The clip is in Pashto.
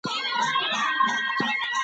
د کلینیکي ازموینو دویم پړاو ژر پیل کېږي.